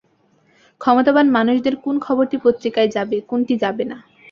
ক্ষমতাবান মানুষদের কোন খবরটি পত্রিকায় যাবে, কোনটি যাবে না।